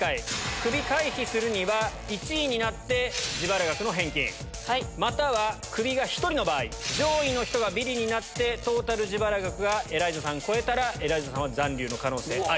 クビ回避するには１位になって自腹額の返金または、クビが１人の場合、上位の人がビリになってトータル自腹額がエライザさんを超えたら、エライザさんは残留の可能性あり。